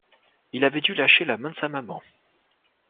Il avait dû lâcher la main de sa maman.